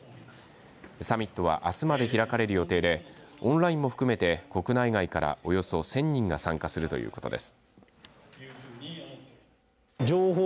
サミットはあすまで開かれる予定でオンラインも含めて国内外からおよそ１０００人が参加するということです。